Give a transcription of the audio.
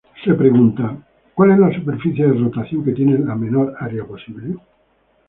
Se pregunta: ¿cuál es la superficie de rotación que tiene la menor área posible?